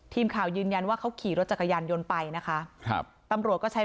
ยืนยันว่าเขาขี่รถจักรยานยนต์ไปนะคะครับตำรวจก็ใช้